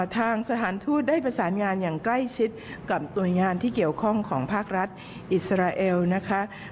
ทางสถานทูตได้ประสานงานอย่างใกล้ชิดกับหน่วยงานที่เกี่ยวข้องของภาครัฐอิสราเอลนะคะ